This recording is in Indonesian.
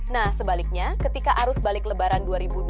nah sebaliknya ketika arus balik lebaran dua ribu dua puluh